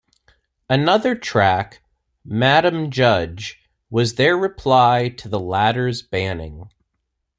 Another track, "Madam Judge", was their reply to the latter's banning.